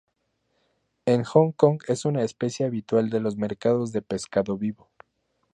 En Hong Kong es una especie habitual de los mercados de pescado vivo.